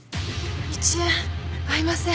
１円合いません。